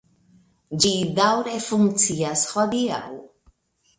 Ĝi daŭre funkcias hodiaŭ.